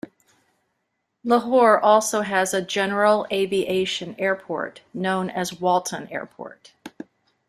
Lahore also has a general aviation airport known as Walton Airport.